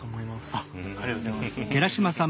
ありがとうございます。